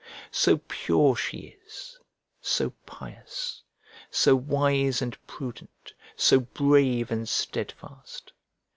So pure she is, so pious, so wise and prudent, so brave and steadfast!